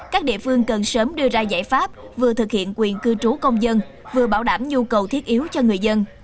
các địa phương cần sớm đưa ra giải pháp vừa thực hiện quyền cư trú công dân vừa bảo đảm nhu cầu thiết yếu cho người dân